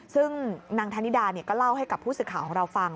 ซึ่งนางธนิดาก็เล่าให้กับผู้สื่อข่าวของเราฟัง